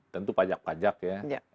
tentu pajak pajak ya